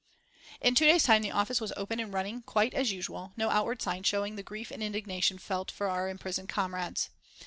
In two days' time the office was open and running quite as usual, no outward sign showing the grief and indignation felt for our imprisoned comrades.